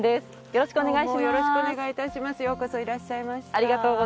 よろしくお願いします。